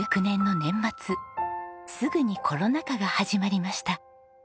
すぐにコロナ禍が始まりました。